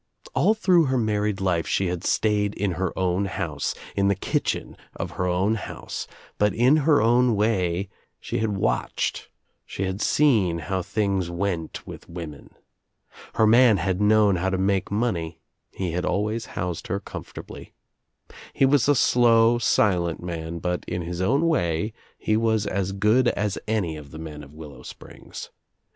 All through her married life she had stayed in her own house, in the kitchen of her own house, but in her own way she had watched, she had seen how things went with women. Her man had known how to make money, he had always housed her comfortably. He was a slow, silent man but in his own way he was as good as any of the men of Willow Springs.